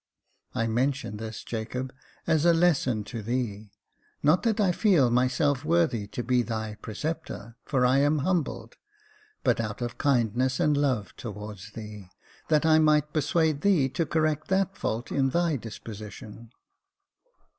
I mention this, Jacob, as a lesson to thee ; not that I feel myself worthy to be thy preceptor, for I am humbled, but out of kindness and love towards thee, that I might persuade thee to correct that fault in thy disposition."